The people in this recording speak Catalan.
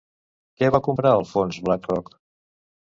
Què va comprar el fons Blackrock?